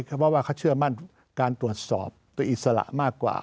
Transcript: เพราะว่าเขาเชื่อมั่นการตรวจสอบโดยอิสระมากกว่า